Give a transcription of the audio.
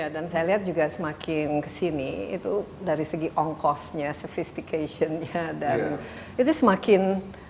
dan saya lihat juga semakin kesini itu dari segi ongkosnya sophisticationnya dan itu semakin